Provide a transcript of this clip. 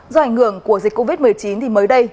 do ảnh hưởng của dịch covid một mươi chín thì mới đây